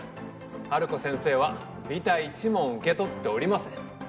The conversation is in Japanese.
ハルコ先生はびた一文受け取っておりません。